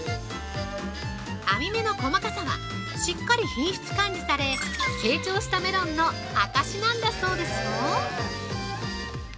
◆網目の細かさはしっかり品質管理され成長したメロンの証なんだそうですよ。